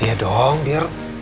iya dong biar